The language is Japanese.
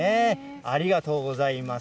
ありがとうございます。